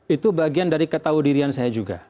itu bagian dari ketahu dirian saya juga